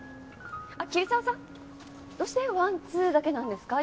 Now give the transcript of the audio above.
あっ桐沢さん！どうしてワンツーだけなんですか？